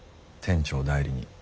店長代理に。